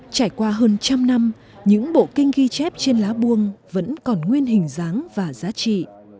trải qua hơn trăm năm những bộ kinh ghi chép trên lá buông vẫn còn nguyên hình dáng và giá trị